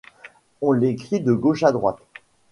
On l'écrit de gauche à droite.